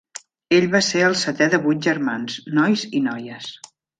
Ell va ser el setè de vuit germans, nois i noies.